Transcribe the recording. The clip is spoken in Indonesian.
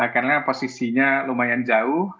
karena posisinya lumayan jauh